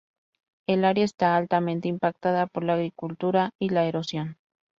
El área está altamente impactada por la agricultura y la erosión.